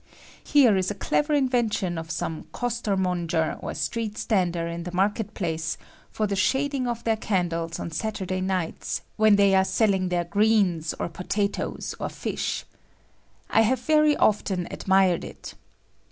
Here is a clever inven tion of some costermonger or strect stander in the market place for the shading of their can dles on Saturday nights, when they are selling their greens, or potatoes, or fish. I have very often admired it.